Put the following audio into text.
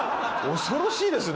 恐ろしいですね。